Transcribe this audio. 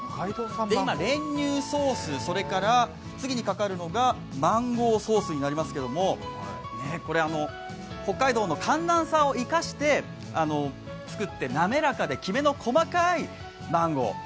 練乳ソース、次にかかるのがマンゴーソースになりますけれどもこれ、北海道の寒暖差を生かして作って、滑らかでキメの細かいマンゴー。